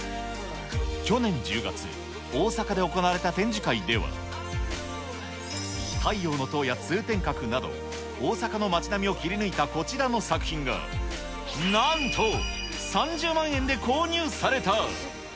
去年１０月、大阪で行われた展示会では、太陽の塔や通天閣など、大阪の町並みを切り抜いたこちらの作品が、なんと、３０万円で購入された。